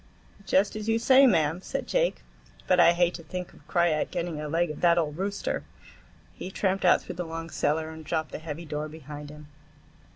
"Just as you say, mam," said Jake, "but I hate to think of Krajiek getting a leg of that old rooster." He tramped out through the long cellar and dropped the heavy door behind him.